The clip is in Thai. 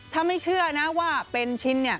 ถ้าไม่เชื่อนะว่าเป็นชิ้นเนี่ย